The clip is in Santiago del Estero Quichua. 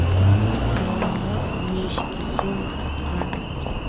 moro moro mishki sumaq kan